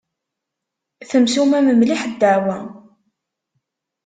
Temsumam mliḥ ddeɛwa.